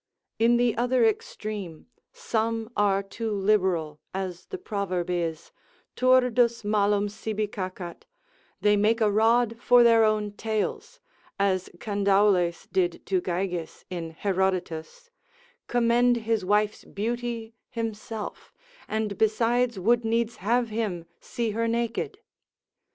In the other extreme some are too liberal, as the proverb is, Turdus malum sibi cacat, they make a rod for their own tails, as Candaules did to Gyges in Herodotus, commend his wife's beauty himself, and besides would needs have him see her naked.